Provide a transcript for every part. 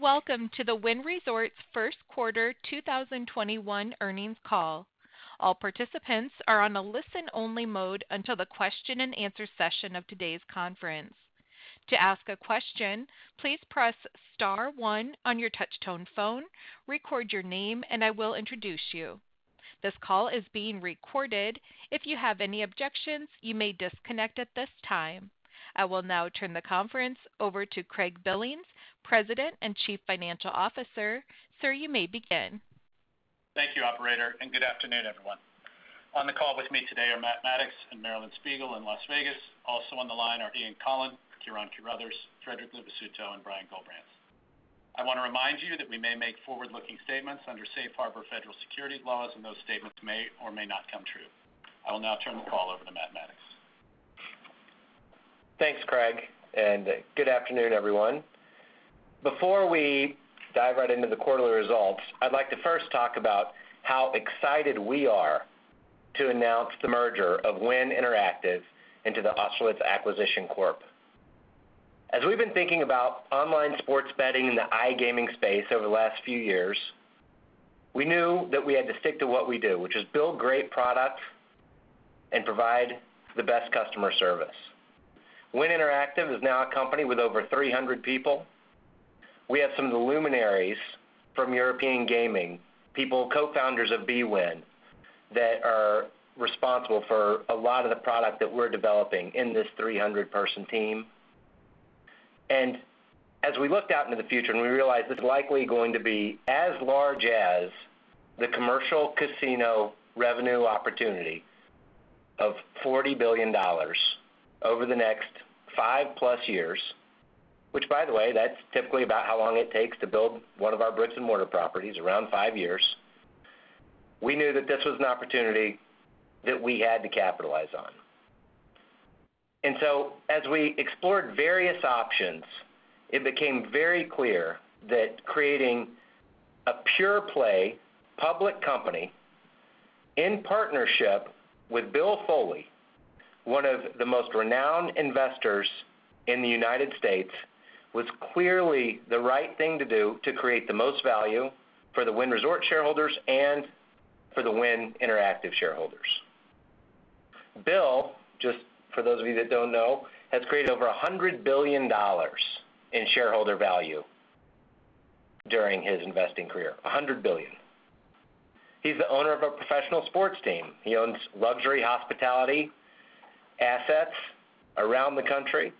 I will now turn the conference over to Craig Billings, President and Chief Financial Officer. Sir, you may begin. Thank you, operator, and good afternoon, everyone. On the call with me today are Matt Maddox and Marilyn Spiegel in Las Vegas. Also on the line are Ian Coughlan, Ciarán Carruthers, Frederic Luvisutto, and Brian Gullbrants. I want to remind you that we may make forward-looking statements under Safe Harbor federal securities laws, and those statements may or may not come true. I will now turn the call over to Matt Maddox. Thanks, Craig. Good afternoon, everyone. Before we dive right into the quarterly results, I'd like to first talk about how excited we are to announce the merger of Wynn Interactive into the Austerlitz Acquisition Corporation I. As we've been thinking about online sports betting in the iGaming space over the last few years, we knew that we had to stick to what we do, which is build great products and provide the best customer service. Wynn Interactive is now a company with over 300 people. We have some of the luminaries from European gaming people, co-founders of bwin, that are responsible for a lot of the product that we're developing in this 300-person team. As we looked out into the future, and we realized this is likely going to be as large as the commercial casino revenue opportunity of $40 billion over the next 5+ years, which, by the way, that's typically about how long it takes to build one of our bricks and mortar properties, around five years. We knew that this was an opportunity that we had to capitalize on. As we explored various options, it became very clear that creating a pure play public company in partnership with Bill Foley, one of the most renowned investors in the U.S., was clearly the right thing to do to create the most value for the Wynn Resorts shareholders and for the Wynn Interactive shareholders. Bill, just for those of you that don't know, has created over $100 billion in shareholder value during his investing career, $100 billion. He's the owner of a professional sports team. He owns luxury hospitality assets around the country.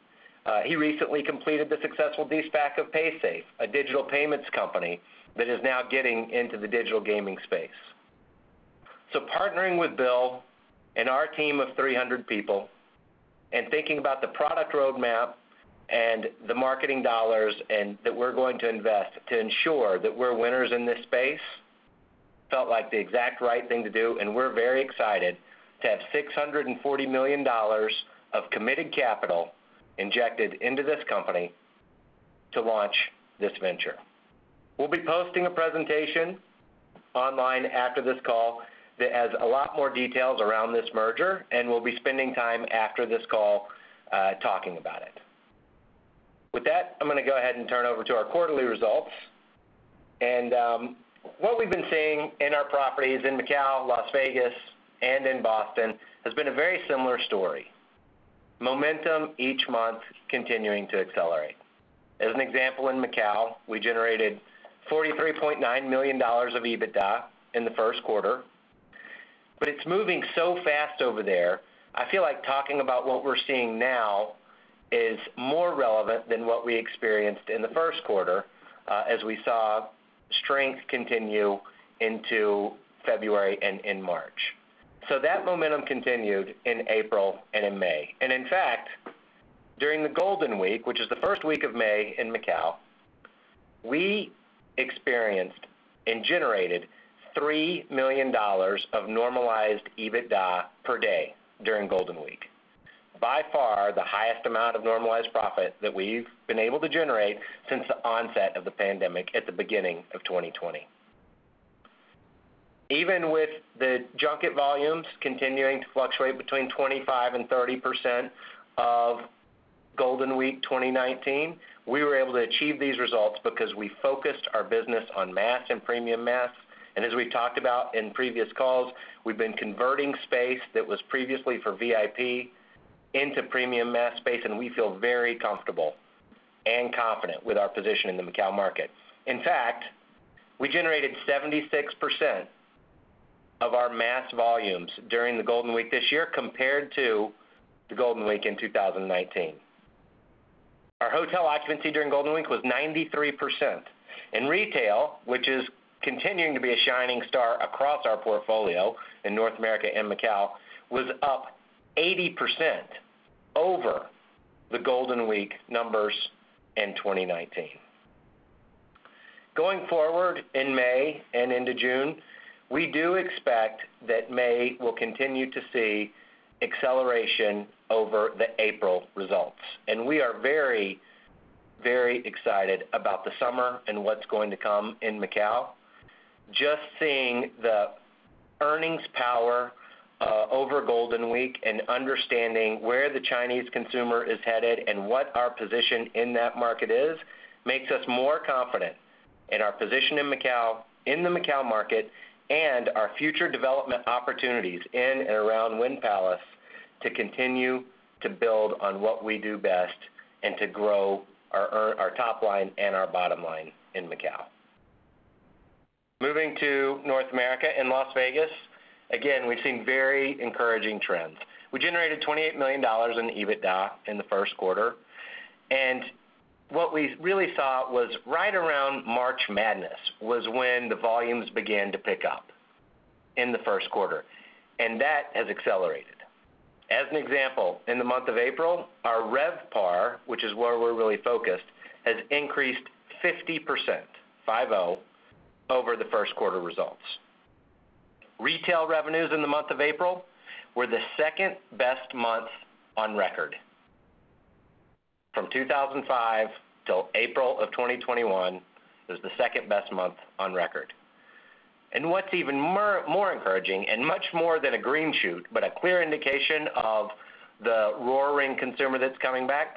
He recently completed the successful de-SPAC of Paysafe, a digital payments company that is now getting into the digital gaming space. Partnering with Bill and our team of 300 people and thinking about the product roadmap and the marketing dollars that we're going to invest to ensure that we're winners in this space, felt like the exact right thing to do. We're very excited to have $640 million of committed capital injected into this company to launch this venture. We'll be posting a presentation online after this call that has a lot more details around this merger, and we'll be spending time after this call talking about it. With that, I'm going to go ahead and turn over to our quarterly results. What we've been seeing in our properties in Macau, Las Vegas, and in Boston has been a very similar story. Momentum each month continuing to accelerate. As an example, in Macau, we generated $43.9 million of EBITDA in the first quarter. It's moving so fast over there, I feel like talking about what we're seeing now is more relevant than what we experienced in the first quarter as we saw strength continue into February and in March. That momentum continued in April and in May. In fact, during the Golden Week, which is the first week of May in Macau, we experienced and generated $3 million of normalized EBITDA per day during Golden Week. By far, the highest amount of normalized profit that we've been able to generate since the onset of the pandemic at the beginning of 2020. Even with the junket volumes continuing to fluctuate between 25% and 30% of Golden Week 2019, we were able to achieve these results because we focused our business on mass and premium mass. As we've talked about in previous calls, we've been converting space that was previously for VIP into premium mass space, and we feel very comfortable and confident with our position in the Macau market. In fact, we generated 76% of our mass volumes during the Golden Week this year compared to the Golden Week in 2019. Our hotel occupancy during Golden Week was 93%. In retail, which is continuing to be a shining star across our portfolio in North America and Macau, was up 80% over the Golden Week numbers in 2019. Going forward in May and into June, we do expect that May will continue to see acceleration over the April results. We are very, very excited about the summer and what's going to come in Macau. Just seeing the earnings power over Golden Week and understanding where the Chinese consumer is headed and what our position in that market is, makes us more confident in our position in Macau, in the Macau market, and our future development opportunities in and around Wynn Palace to continue to build on what we do best and to grow our top line and our bottom line in Macau. Moving to North America in Las Vegas, again, we've seen very encouraging trends. We generated $28 million in EBITDA in the first quarter, and what we really saw was right around March Madness was when the volumes began to pick up in the first quarter, and that has accelerated. As an example, in the month of April, our RevPAR, which is where we're really focused, has increased 50%, five oh, over the first quarter results. Retail revenues in the month of April were the second-best month on record. From 2005 till April of 2021, it was the second-best month on record. And what's even more encouraging and much more than a green shoot, but a clear indication of the roaring consumer that's coming back,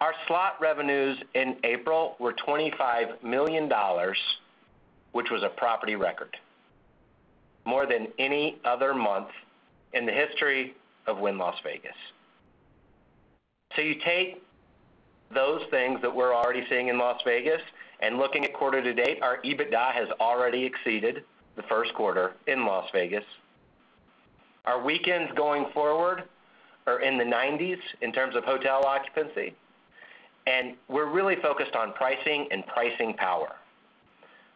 our slot revenues in April were $25 million, which was a property record, more than any other month in the history of Wynn Las Vegas. You take those things that we're already seeing in Las Vegas and looking at quarter to date, our EBITDA has already exceeded the first quarter in Las Vegas. Our weekends going forward are in the 90s in terms of hotel occupancy, and we're really focused on pricing and pricing power.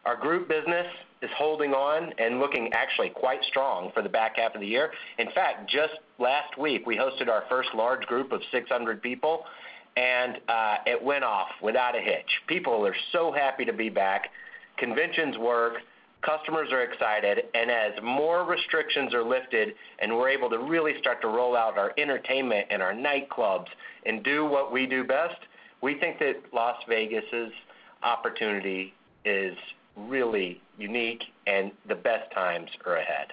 Our group business is holding on and looking actually quite strong for the back half of the year. In fact, just last week, we hosted our first large group of 600 people, and it went off without a hitch. People are so happy to be back. Conventions work, customers are excited, and as more restrictions are lifted and we're able to really start to roll out our entertainment and our nightclubs and do what we do best, we think that Las Vegas's opportunity is really unique, and the best times are ahead.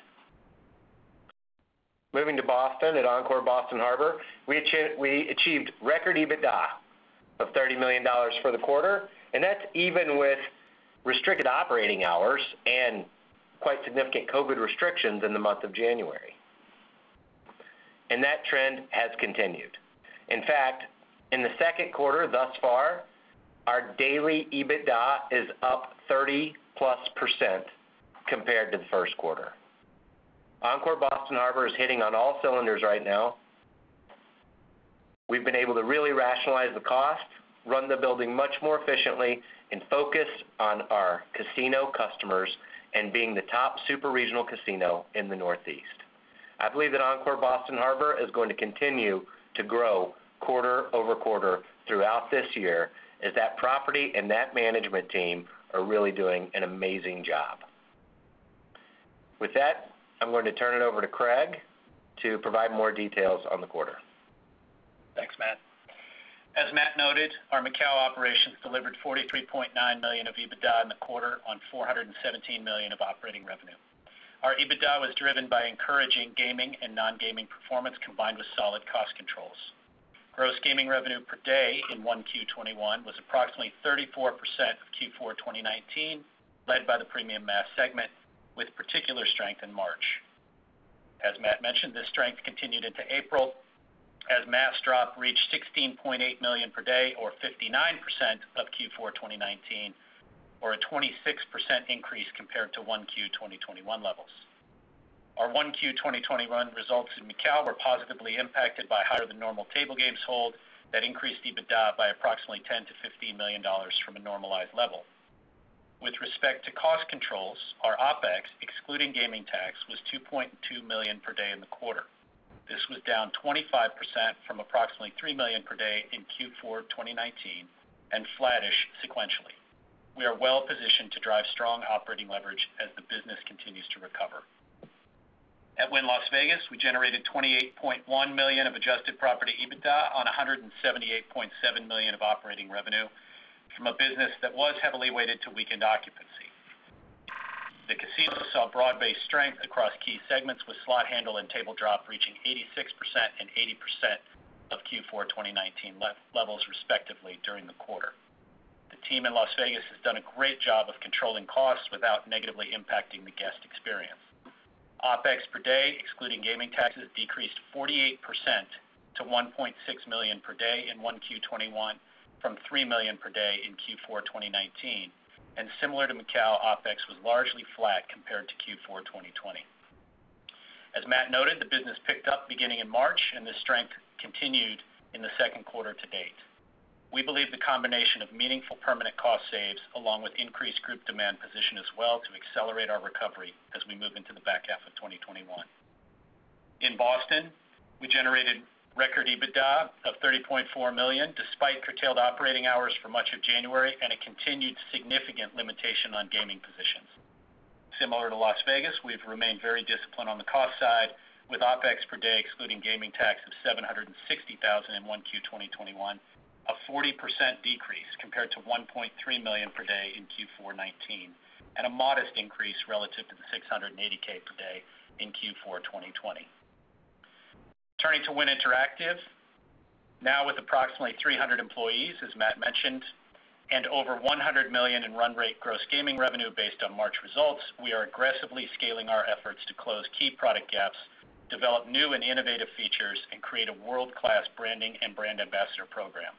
Moving to Boston at Encore Boston Harbor, we achieved record EBITDA of $30 million for the quarter, that's even with restricted operating hours and quite significant COVID restrictions in the month of January. That trend has continued. In fact, in the second quarter thus far, our daily EBITDA is up 30%+ compared to the first quarter. Encore Boston Harbor is hitting on all cylinders right now. We've been able to really rationalize the cost, run the building much more efficiently, and focus on our casino customers and being the top super-regional casino in the Northeast. I believe that Encore Boston Harbor is going to continue to grow quarter-over-quarter throughout this year, as that property and that management team are really doing an amazing job. With that, I'm going to turn it over to Craig to provide more details on the quarter. Thanks, Matt. As Matt noted, our Macau operations delivered $43.9 million of EBITDA in the quarter on $417 million of operating revenue. Our EBITDA was driven by encouraging gaming and non-gaming performance, combined with solid cost controls. Gross gaming revenue per day in 1Q 2021 was approximately 34% of Q4 2019, led by the premium mass segment with particular strength in March. As Matt mentioned, this strength continued into April as mass drop reached $16.8 million per day, or 59% of Q4 2019, or a 26% increase compared to 1Q 2021 levels. Our 1Q 2021 results in Macau were positively impacted by higher-than-normal table games hold that increased EBITDA by approximately $10 million-$15 million from a normalized level. With respect to cost controls, our OpEx, excluding gaming tax, was $2.2 million per day in the quarter. This was down 25% from approximately $3 million per day in Q4 2019 and flattish sequentially. We are well-positioned to drive strong operating leverage as the business continues to recover. At Wynn Las Vegas, we generated $28.1 million of adjusted property EBITDA on $178.7 million of operating revenue from a business that was heavily weighted to weekend occupancy. The casino saw broad-based strength across key segments, with slot handle and table drop reaching 86% and 80% of Q4 2019 levels respectively during the quarter. The team in Las Vegas has done a great job of controlling costs without negatively impacting the guest experience. OpEx per day, excluding gaming taxes, decreased 48% to $1.6 million per day in 1Q 2021 from $3 million per day in Q4 2019. Similar to Macau, OpEx was largely flat compared to Q4 2020. As Matt noted, the business picked up beginning in March, and the strength continued in the second quarter to date. We believe the combination of meaningful permanent cost saves, along with increased group demand position as well, to accelerate our recovery as we move into the back half of 2021. In Boston, we generated record EBITDA of $30.4 million, despite curtailed operating hours for much of January and a continued significant limitation on gaming positions. Similar to Las Vegas, we've remained very disciplined on the cost side. With OpEx per day excluding gaming tax of $760,000 in 1Q 2021, a 40% decrease compared to $1.3 million per day in Q4 2019, and a modest increase relative to the $680,000 per day in Q4 2020. Turning to Wynn Interactive. Now with approximately 300 employees, as Matt Maddox mentioned, and over $100 million in run rate gross gaming revenue based on March results, we are aggressively scaling our efforts to close key product gaps, develop new and innovative features, and create a world-class branding and brand ambassador program.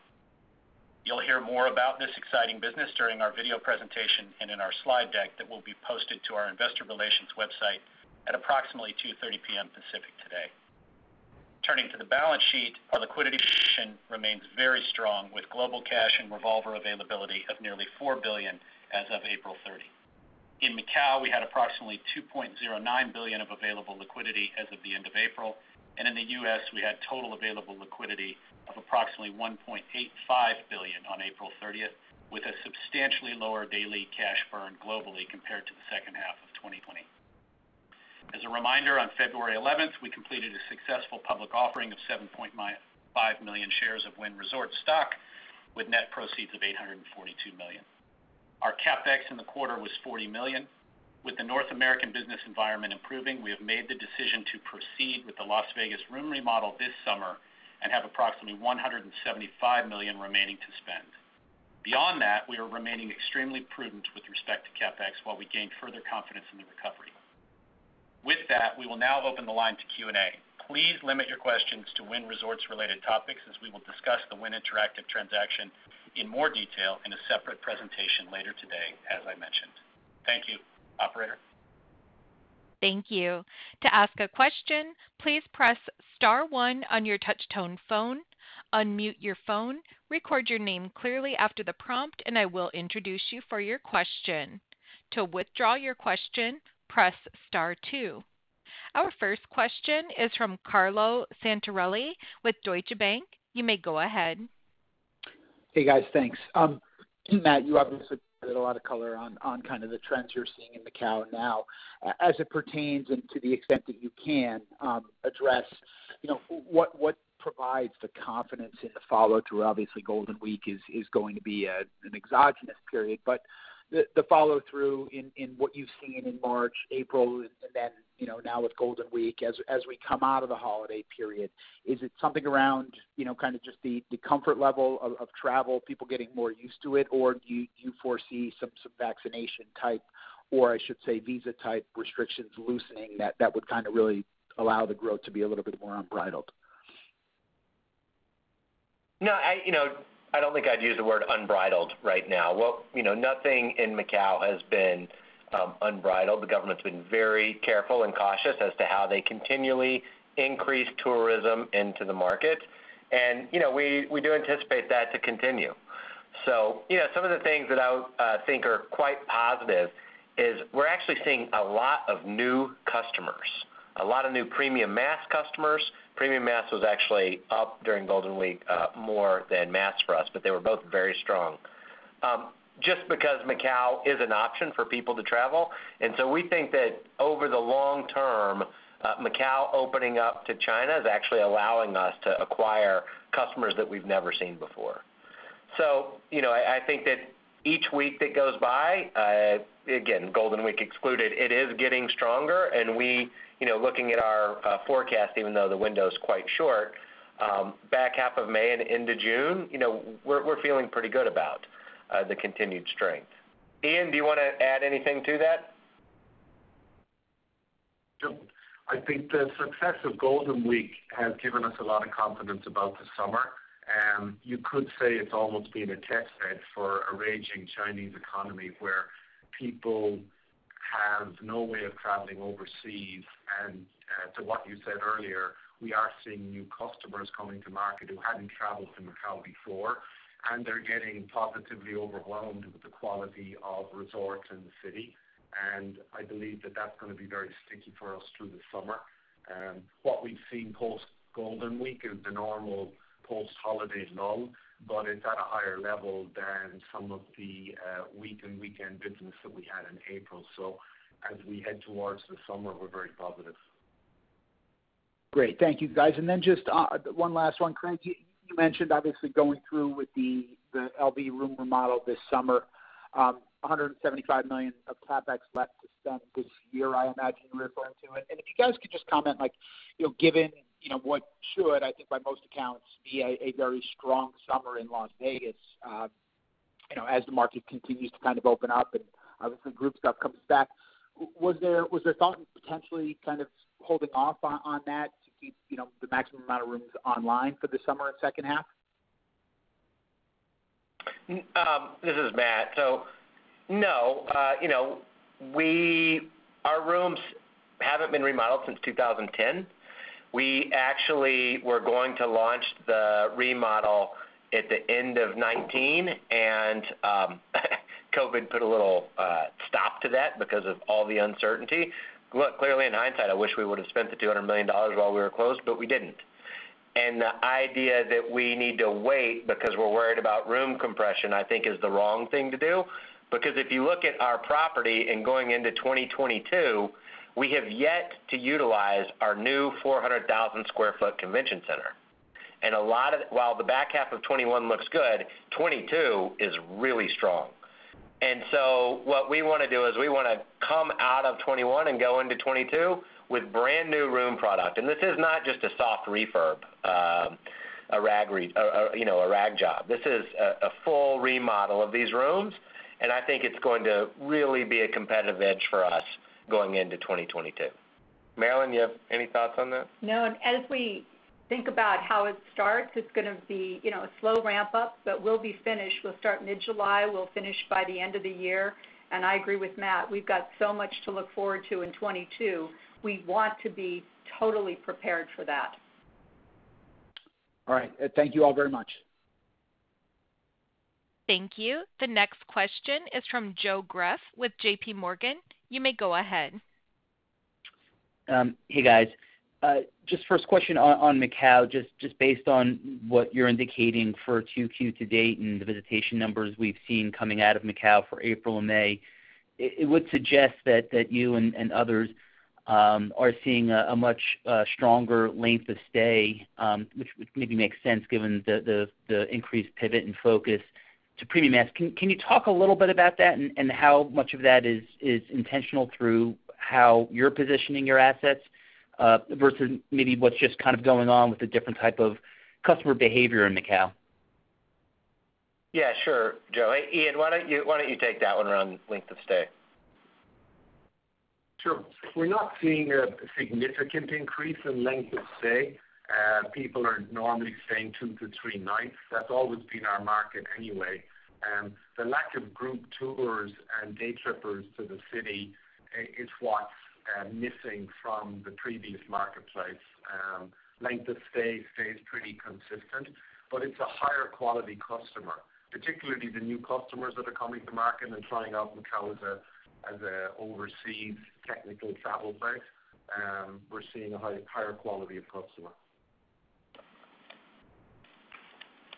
You’ll hear more about this exciting business during our video presentation and in our slide deck that will be posted to our investor relations website at approximately 2:30 P.M. Pacific today. Turning to the balance sheet, our liquidity position remains very strong with global cash and revolver availability of nearly $4 billion as of April 30. In Macau, we had approximately $2.09 billion of available liquidity as of the end of April. In the U.S., we had total available liquidity of approximately $1.85 billion on April 30th, with a substantially lower daily cash burn globally compared to the second half of 2020. As a reminder, on February 11th, we completed a successful public offering of 7.5 million shares of Wynn Resorts stock with net proceeds of $842 million. Our CapEx in the quarter was $40 million. With the North American business environment improving, we have made the decision to proceed with the Las Vegas room remodel this summer and have approximately $175 million remaining to spend. Beyond that, we are remaining extremely prudent with respect to CapEx while we gain further confidence in the recovery. With that, we will now open the line to Q&A. Please limit your questions to Wynn Resorts-related topics as we will discuss the Wynn Interactive transaction in more detail in a separate presentation later today, as I mentioned. Thank you. Operator? Thank you. Our first question is from Carlo Santarelli with Deutsche Bank. You may go ahead. Hey, guys. Thanks. Matt, you obviously provided a lot of color on kind of the trends you’re seeing in Macau now. As it pertains and to the extent that you can address, what provides the confidence in the follow-through? Obviously, Golden Week is going to be an exogenous period, but the follow-through in what you’ve seen in March, April, and then now with Golden Week, as we come out of the holiday period. Is it something around kind of just the comfort level of travel, people getting more used to it, or do you foresee some vaccination type, or I should say visa type restrictions loosening that would kind of really allow the growth to be a little bit more unbridled? No. I don’t think I’d use the word unbridled right now. Nothing in Macau has been unbridled. The government’s been very careful and cautious as to how they continually increase tourism into the market. We do anticipate that to continue. Some of the things that I think are quite positive is we’re actually seeing a lot of new customers. A lot of new premium mass customers. Premium mass was actually up during Golden Week more than mass for us, but they were both very strong. Just because Macau is an option for people to travel. We think that over the long term, Macau opening up to China is actually allowing us to acquire customers that we’ve never seen before. I think that each week that goes by, again, Golden Week excluded, it is getting stronger, and we, looking at our forecast, even though the window’s quite short, back half of May and into June, we’re feeling pretty good about the continued strength. Ian, do you want to add anything to that? Sure. I think the success of Golden Week has given us a lot of confidence about the summer. You could say it’s almost been a test bed for a raging Chinese economy where people have no way of traveling overseas. To what you said earlier, we are seeing new customers coming to market who hadn’t traveled to Macau before, and they’re getting positively overwhelmed with the quality of resorts in the city. I believe that that’s going to be very sticky for us through the summer. What we’ve seen post Golden Week is the normal post-holiday lull, but it’s at a higher level than some of the week and weekend business that we had in April. As we head towards the summer, we’re very positive. Great. Thank you, guys. Then just one last one. Craig, you mentioned obviously going through with the LV room remodel this summer. $175 million of CapEx left to spend this year, I imagine you’re referring to. If you guys could just comment, given what should, I think by most accounts, be a very strong summer in Las Vegas as the market continues to kind of open up and obviously group stuff comes back. Was there thought in potentially kind of holding off on that to keep the maximum amount of rooms online for the summer and second half? This is Matt. No. Our rooms haven’t been remodeled since 2010. We actually were going to launch the remodel at the end of 2019 and COVID put a little stop to that because of all the uncertainty. Look, clearly in hindsight, I wish we would have spent the $200 million while we were closed, but we didn’t. The idea that we need to wait because we're worried about room compression, I think is the wrong thing to do. If you look at our property and going into 2022, we have yet to utilize our new 400,000 sq ft convention center. While the back half of 2021 looks good, 2022 is really strong. What we want to do is we want to come out of 2021 and go into 2022 with brand new room product. This is not just a soft refurb, a rag job. This is a full remodel of these rooms, and I think it's going to really be a competitive edge for us going into 2022. Marilyn, you have any thoughts on that? No. As we think about how it starts, it's going to be a slow ramp up. We'll be finished. We'll start mid-July. We'll finish by the end of the year. I agree with Matt Maddox, we've got so much to look forward to in 2022. We want to be totally prepared for that. All right. Thank you all very much. Thank you. The next question is from Joe Greff with JPMorgan. You may go ahead. Hey, guys. Just first question on Macau, just based on what you're indicating for 2Q to date and the visitation numbers we've seen coming out of Macau for April and May, it would suggest that you and others are seeing a much stronger length of stay, which would maybe make sense given the increased pivot and focus to premium mass. Can you talk a little bit about that and how much of that is intentional through how you're positioning your assets versus maybe what's just kind of going on with the different type of customer behavior in Macau? Yeah, sure, Joe. Ian, why don't you take that one around length of stay? Sure. We're not seeing a significant increase in length of stay. People are normally staying two to three nights. That's always been our market anyway. The lack of group tours and day trippers to the city, is what's missing from the previous marketplace. Length of stay stays pretty consistent, but it's a higher quality customer, particularly the new customers that are coming to market and trying out Macau as a overseas technical travel break. We're seeing a higher quality of customer.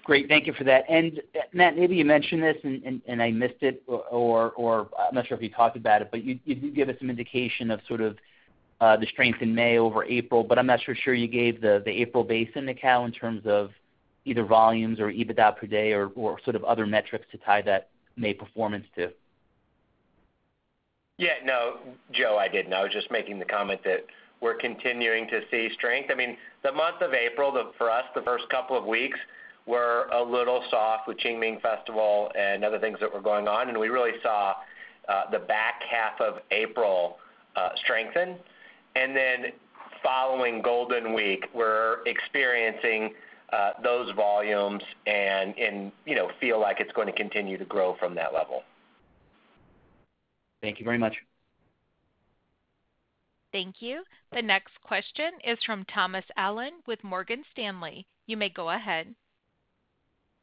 Great. Thank you for that. Matt, maybe you mentioned this and I missed it, or I'm not sure if you talked about it. You did give us some indication of sort of the strength in May over April. I'm not so sure you gave the April base in Macau in terms of either volumes or EBITDA per day or sort of other metrics to tie that May performance to. Yeah, no, Joe, I didn't. I was just making the comment that we're continuing to see strength. I mean, the month of April, for us, the first couple of weeks were a little soft with Qingming Festival and other things that were going on, and we really saw the back half of April strengthen. Following Golden Week, we're experiencing those volumes and feel like it's going to continue to grow from that level. Thank you very much. Thank you. The next question is from Thomas Allen with Morgan Stanley. You may go ahead.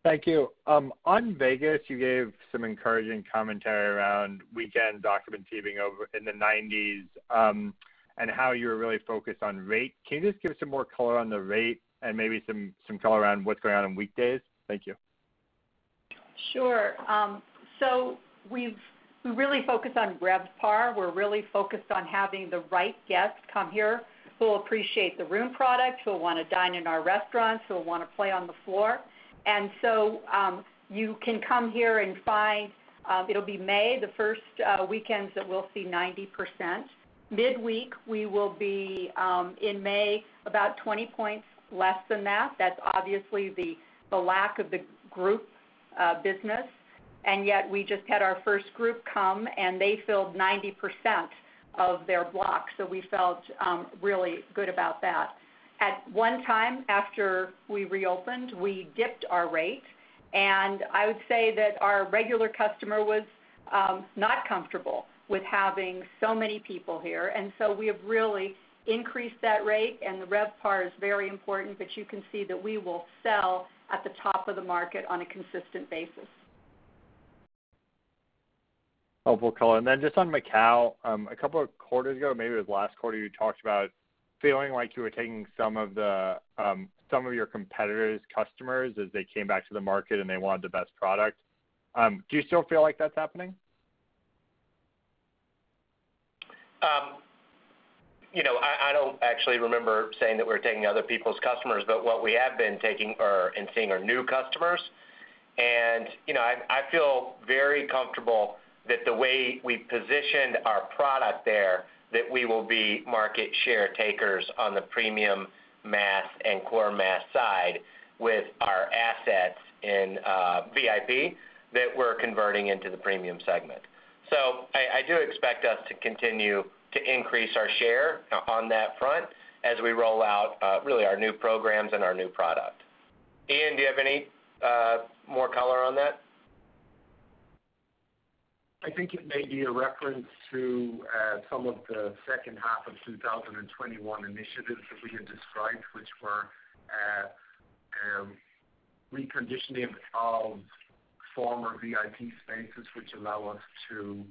Thank you. On Vegas, you gave some encouraging commentary around weekend document keeping over in the 90s, and how you're really focused on rate. Can you just give some more color on the rate and maybe some color around what's going on on weekdays? Thank you. Sure. We're really focused on RevPAR. We're really focused on having the right guests come here who will appreciate the room product, who will want to dine in our restaurants, who will want to play on the floor. You can come here and find, it'll be May, the first weekends that we'll see 90%. Midweek, we will be, in May, about 20 points less than that. That's obviously the lack of the group business. Yet we just had our first group come, and they filled 90% of their block. We felt really good about that. At one time after we reopened, we dipped our rate, and I would say that our regular customer was not comfortable with having so many people here. We have really increased that rate, and the RevPAR is very important, but you can see that we will sell at the top of the market on a consistent basis. Helpful color. Just on Macau, a couple of quarters ago, maybe it was last quarter, you talked about feeling like you were taking some of your competitors' customers as they came back to the market and they wanted the best product. Do you still feel like that's happening? I don't actually remember saying that we were taking other people's customers, but what we have been taking and seeing are new customers. I feel very comfortable that the way we've positioned our product there, that we will be market share takers on the premium mass and core mass side with our assets in VIP, that we're converting into the premium segment. I do expect us to continue to increase our share on that front as we roll out really our new programs and our new product. Ian, do you have any more color on that? I think it may be a reference to some of the second half of 2021 initiatives that we had described, which were reconditioning of former VIP spaces, which allow us to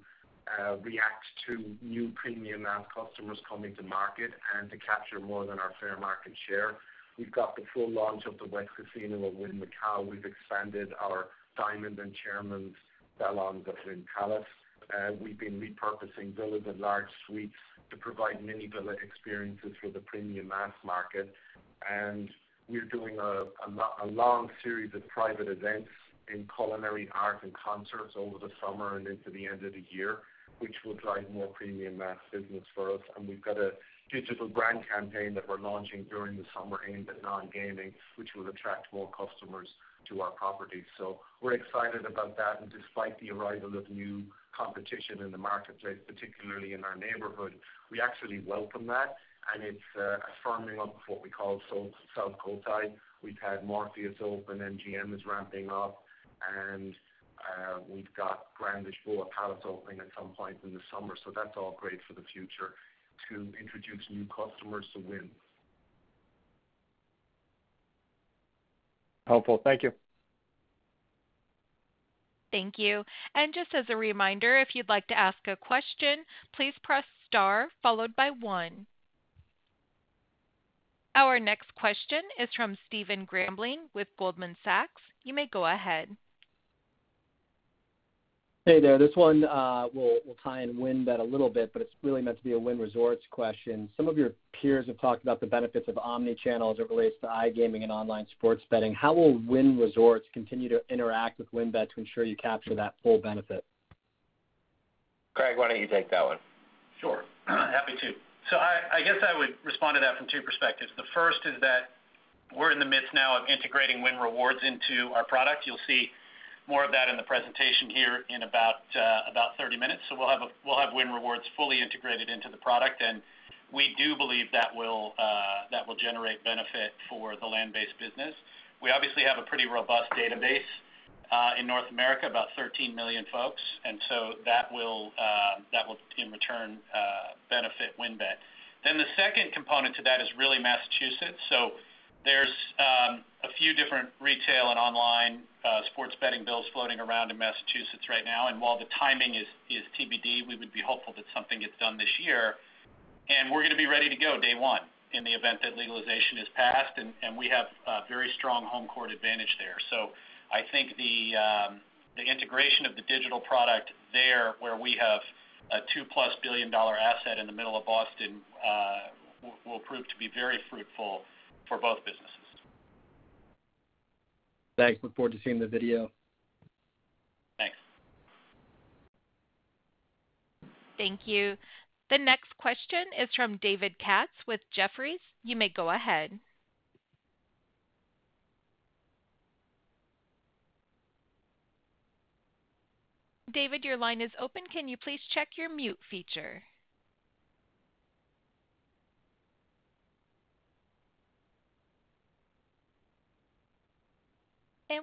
react to new premium mass customers coming to market and to capture more than our fair market share. We've got the full launch of the Wynn casino at Wynn Macau. We've expanded our Diamond and Chairman's salons at Wynn Palace. We've been repurposing villas and large suites to provide mini villa experiences for the premium mass market. We're doing a long series of private events in culinary art and concerts over the summer and into the end of the year, which will drive more premium mass business for us. We've got a digital brand campaign that we're launching during the summer aimed at non-gaming, which will attract more customers to our properties. We're excited about that. Despite the arrival of new competition in the marketplace, particularly in our neighborhood, we actually welcome that, and it's a firming up of what we call South Cotai. We've had Morpheus open, MGM is ramping up, and we've got Grand Lisboa Palace opening at some point in the summer. That's all great for the future to introduce new customers to Wynn. Helpful. Thank you. Thank you. Just as a reminder, if you'd like to ask a question, please press star followed by one. Our next question is from Stephen Grambling with Goldman Sachs. You may go ahead. Hey there. This one we'll tie in WynnBET a little bit, but it's really meant to be a Wynn Resorts question. Some of your peers have talked about the benefits of omni-channel as it relates to iGaming and online sports betting. How will Wynn Resorts continue to interact with WynnBET to ensure you capture that full benefit? Craig, why don't you take that one? Sure. Happy to. I guess I would respond to that from two perspectives. The first is that we're in the midst now of integrating Wynn Rewards into our product. You'll see more of that in the presentation here in about 30 minutes. We'll have Wynn Rewards fully integrated into the product, and we do believe that will generate benefit for the land-based business. We obviously have a pretty robust database in North America, about 13 million folks, and so that will, in return, benefit WynnBET. The second component to that is really Massachusetts. There's a few different retail and online sports betting bills floating around in Massachusetts right now. While the timing is TBD, we would be hopeful that something gets done this year. We're going to be ready to go day one in the event that legalization is passed, and we have a very strong home court advantage there. I think the integration of the digital product there, where we have a two-plus billion dollar asset in the middle of Boston, will prove to be very fruitful for both businesses. Thanks. Look forward to seeing the video. Thanks. Thank you. The next question is from David Katz with Jefferies. You may go ahead. David, your line is open. Can you please check your mute feature?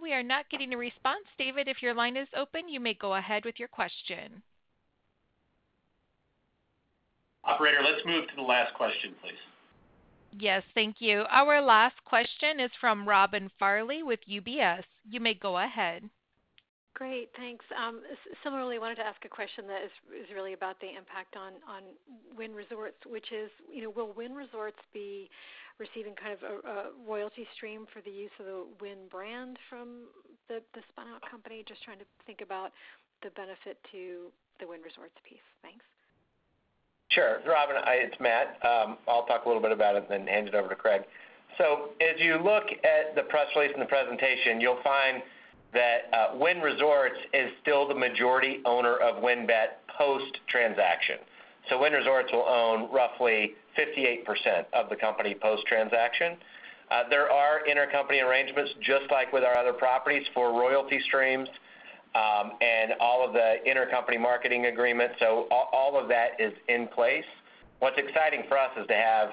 We are not getting a response, David. If your line is open, you may go ahead with your question. Operator, let's move to the last question, please. Yes. Thank you. Our last question is from Robin Farley with UBS. You may go ahead. Great. Thanks. Similarly, wanted to ask a question that is really about the impact on Wynn Resorts which is: Will Wynn Resorts be receiving kind of a royalty stream for the use of the Wynn brand from the spun-out company? Just trying to think about the benefit to the Wynn Resorts piece. Thanks. Sure. Robin, it's Matt. I'll talk a little bit about it, then hand it over to Craig. As you look at the press release and the presentation, you'll find that Wynn Resorts is still the majority owner of WynnBET post-transaction. Wynn Resorts will own roughly 58% of the company post-transaction. There are intercompany arrangements, just like with our other properties, for royalty streams, and all of the intercompany marketing agreements. All of that is in place. What's exciting for us is to have,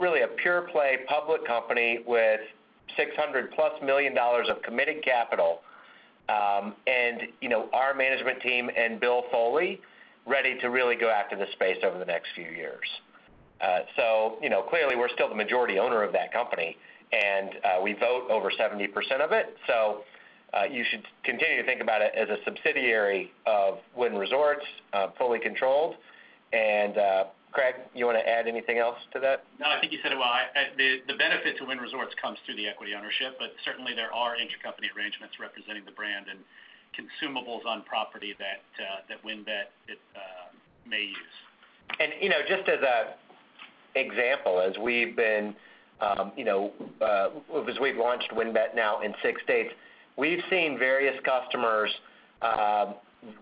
really, a pure play public company with $600-plus million of committed capital. Our management team and Bill Foley ready to really go after this space over the next few years. Clearly, we're still the majority owner of that company, and we vote over 70% of it. You should continue to think about it as a subsidiary of Wynn Resorts, fully controlled. Craig, you want to add anything else to that? No, I think you said it well. The benefit to Wynn Resorts comes through the equity ownership, but certainly there are intercompany arrangements representing the brand and consumables on property that WynnBET may use. Just as an example, as we've launched WynnBET now in six states, we've seen various customers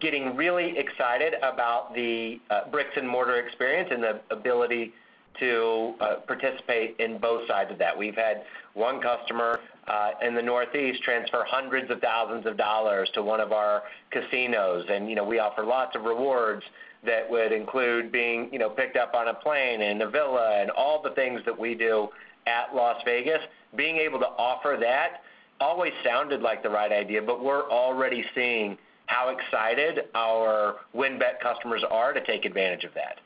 getting really excited about the bricks-and-mortar experience and the ability to participate in both sides of that. We've had one customer in the Northeast transfer hundreds of thousands of dollars to one of our casinos. We offer lots of rewards that would include being picked up on a plane and a villa and all the things that we do at Las Vegas. Being able to offer that always sounded like the right idea, but we're already seeing how excited our WynnBET customers are to take advantage of that.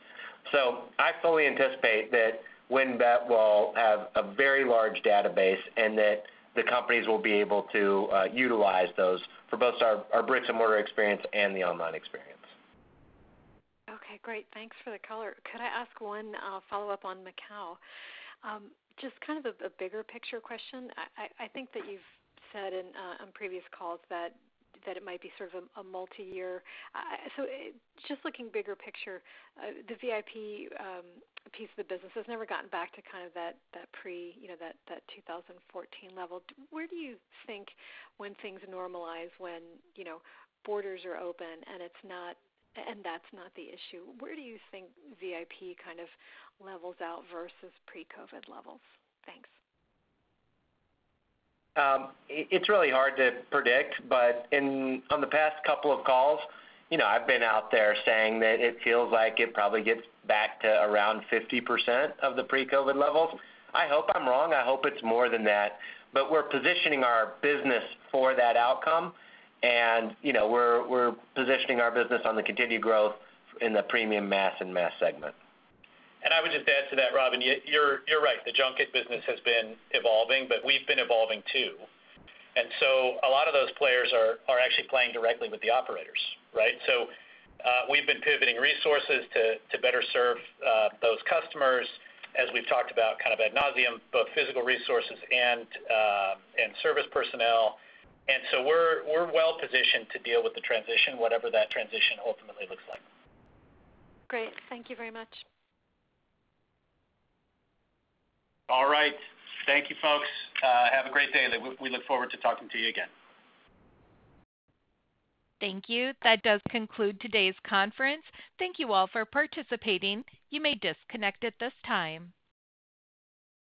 I fully anticipate that WynnBET will have a very large database, and that the companies will be able to utilize those for both our bricks-and-mortar experience and the online experience. Okay, great. Thanks for the color. Could I ask one follow-up on Macau? Just kind of a bigger picture question. I think that you've said on previous calls that it might be sort of a multi-year. Just looking bigger picture, the VIP piece of the business has never gotten back to that pre-2014 level. Where do you think when things normalize, when borders are open, and that's not the issue, where do you think VIP kind of levels out versus pre-COVID levels? Thanks. It's really hard to predict, on the past couple of calls, I've been out there saying that it feels like it probably gets back to around 50% of the pre-COVID levels. I hope I'm wrong. I hope it's more than that. We're positioning our business for that outcome, and we're positioning our business on the continued growth in the premium mass and mass segment. I would just add to that, Robin, you're right. The junket business has been evolving, but we've been evolving, too. A lot of those players are actually playing directly with the operators, right? We've been pivoting resources to better serve those customers as we've talked about kind of ad nauseam, both physical resources and service personnel. We're well-positioned to deal with the transition, whatever that transition ultimately looks like. Great. Thank you very much. All right. Thank you, folks. Have a great day, and we look forward to talking to you again. Thank you. That does conclude today's conference. Thank you all for participating. You may disconnect at this time.